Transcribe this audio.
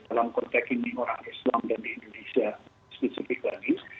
dalam konteks ini orang islam dan di indonesia spesifik lagi